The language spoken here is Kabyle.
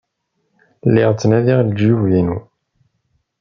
Lliɣ ttnadiɣ lejyub-inu.